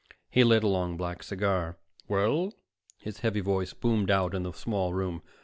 He lit a long black cigar. "Well?" His heavy voice boomed out in the small room.